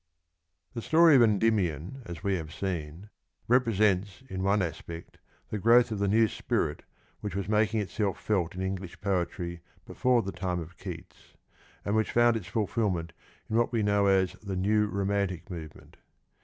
The story of Endymion as we have seen, represents in one aspect the growth of the new spirit which was making itself felt in English poetry before the time of Keats, and which found its fulfilment in what we know as the New Romantic Movement.